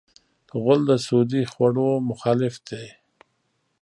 غول د سودي خوړو مخالف دی.